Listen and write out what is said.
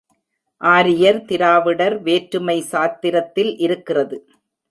ஆரியர் திராவிடர் வேற்றுமை சாத்திரத்தில் இருக்கிறது.